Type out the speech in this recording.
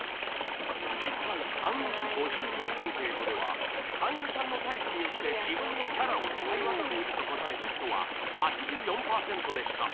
実際看護師５０人アンケートでは患者さんのタイプによって自分のキャラを使い分けていると答えた人は８４パーセントでした